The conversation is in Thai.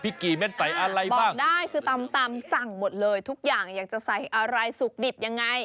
กี่เม็ดใส่อะไรบอกได้คือตำสั่งหมดเลยทุกอย่างอยากจะใส่อะไรสุกดิบยังไง